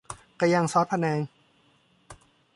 ไก่ย่างซอสพะแนง